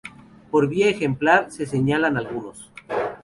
Por vía ejemplar, se señalan algunos.